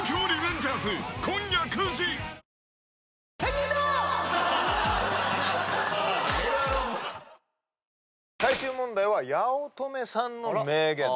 「ビオレ」最終問題は八乙女さんの名言。